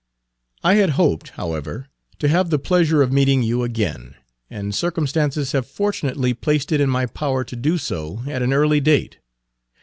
I had hoped, however, to have the pleasure of meeting you again, and circumstances have fortunately placed it in my power to do so at an early date.